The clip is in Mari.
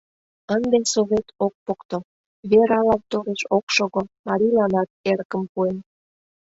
Ынде Совет ок покто, вералан тореш ок шого, марийланат эрыкым пуэн.